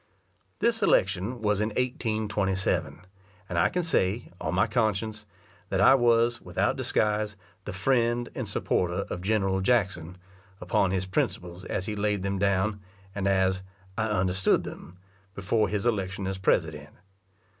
This election was in 1827, and I can say, on my conscience, that I was, without disguise, the friend and supporter of General Jackson, upon his principles as he laid them down, and as "I understood them," before his election as president.